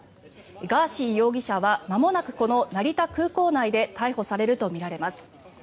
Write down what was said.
ガーシー容疑者はまもなくこの成田空港内で逮捕されるとみられます。